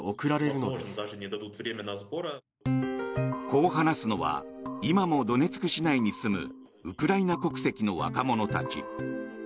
こう話すのは今もドネツク市内に住むウクライナ国籍の若者たち。